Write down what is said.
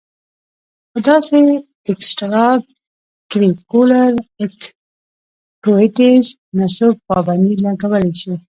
پۀ داسې اېکسټرا کريکولر ايکټويټيز نۀ څوک پابندي لګولے شي